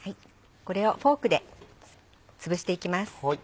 これをフォークでつぶしていきます。